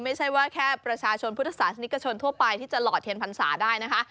ไม่ใช่ว่าแค่ประชาชนพุทธศาสนิกชนทั่วไปที่จะหลอดเทียนพรรษาได้นะคะ